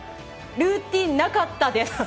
ルーティン、なかったです。